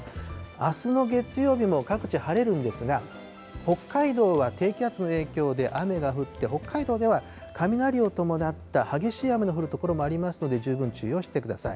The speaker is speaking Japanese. あすの月曜日も各地晴れるんですが、北海道は低気圧の影響で雨が降って、北海道では雷を伴った激しい雨の降る所もありますので、十分注意をしてください。